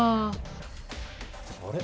あれ？